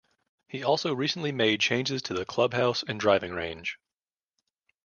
He also recently made changes to the clubhouse and driving range.